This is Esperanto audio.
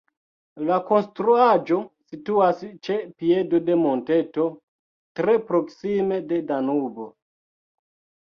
La konstruaĵo situas ĉe piedo de monteto tre proksime de Danubo.